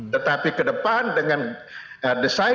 tetapi ke depan dengan desain